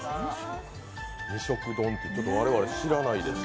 二食丼って我々知らないですね。